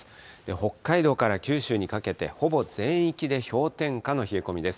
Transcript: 北海道から九州にかけて、ほぼ全域で氷点下の冷え込みです。